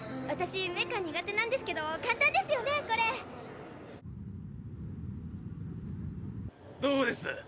私メカ苦手なんですけど簡単ですよねこれ。どうです？